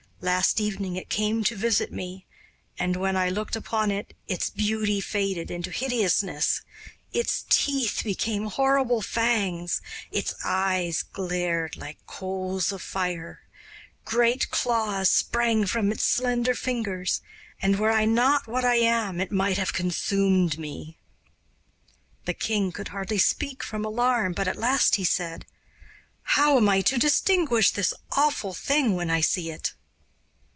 Last evening it came to visit me, and when I looked upon it its beauty faded into hideousness, its teeth became horrible fangs, its eyes glared like coals of fire, great claws sprang from its slender fingers, and were I not what I am it might have consumed me.' The king could hardly speak from alarm, but at last he said: 'How am I to distinguish this awful thing when I see it?